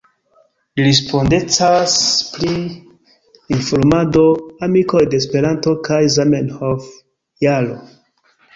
Li respondecas pri informado, Amikoj de Esperanto kaj Zamenhof-Jaro.